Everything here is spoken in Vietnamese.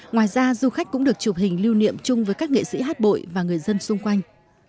ngoài ra du khách cũng được chụp hình lưu niệm chung với các nghệ sĩ hát bội và người dân xung quanh